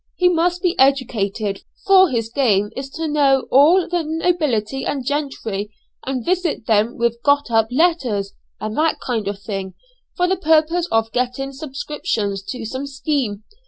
He must be educated, for his game is to know all the nobility and gentry, and visit them with got up letters, and that kind of thing, for the purpose of getting subscriptions to some scheme.